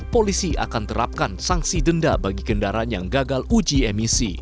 polisi akan terapkan sanksi denda bagi kendaraan yang gagal uji emisi